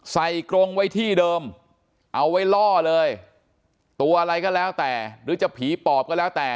กรงไว้ที่เดิมเอาไว้ล่อเลยตัวอะไรก็แล้วแต่หรือจะผีปอบก็แล้วแต่